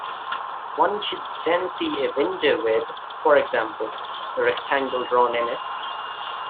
One should then see a window with, for example, a rectangle drawn in it.